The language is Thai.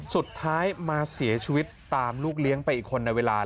สุดท้ายมาเสียชีวิตตามลูกเลี้ยงไปอีกคนในเวลา